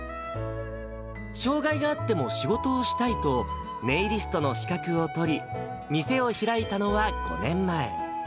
障がいがあっても仕事をしたいと、ネイリストの資格を取り、店を開いたのは５年前。